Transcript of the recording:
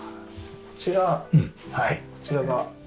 こちらこちらが。